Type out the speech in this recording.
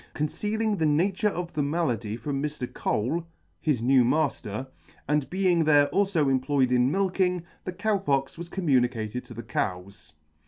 Concealing the nature of the malady from Mr. Cole, his new matter, and being there alfo employed in milking, the Cow Pox was communicated to the cows.